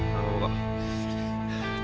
masalah masalah gapapa kal